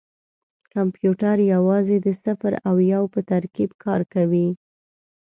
کمپیوټر یوازې د صفر او یو په ترکیب کار کوي.